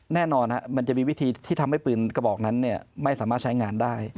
มันจะมีวิธีที่ทำให้ปืนกระบอกนั้นไม่สามารถใช้งานได้